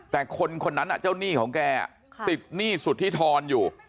แต่คนคนนั้นอ่ะเจ้านี่ของแกอ่ะค่ะติดหนี้สุธิธรณ์อยู่อ๋อ